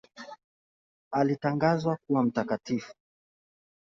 Alitangazwa kuwa mtakatifu.